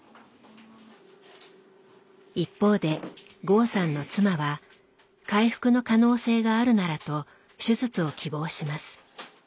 一方で剛さんの妻は回復の可能性があるならと手術を希望します。